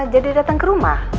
jadi datang ke rumah